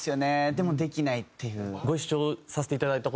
でもできないっていう。